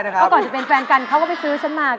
หวังครับว่าก่อนจะเป็นแฟนกันเขาก็ไปซื้อชั้นมาค่ะ